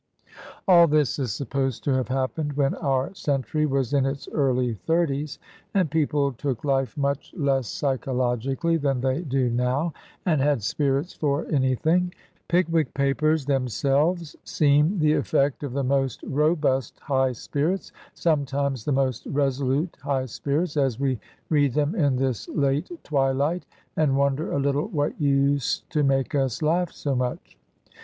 " All this is supposed to have happened when our cen tury was in its early thirties, and people took life much 127 Digitized by VjOOQIC HEROINES OF FICTION less psychologically than they do now, and had spirits for anything. ''Pickwick Papers'' themselves seem the effect of the most robust high spirits, sometimes the most resolute high spirits, as we read them in this late twilight, and wonder a little what used to make us laugh so much.